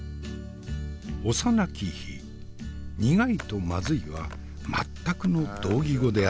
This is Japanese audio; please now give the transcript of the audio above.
幼き日苦いとまずいは全くの同義語であった。